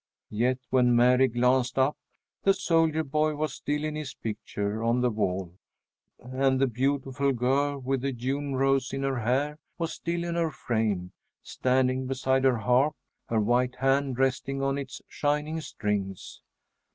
Yet when Mary glanced up, the soldier boy was still in his picture on the wall, and the beautiful girl with the June rose in her hair was still in her frame, standing beside her harp, her white hand resting on its shining strings.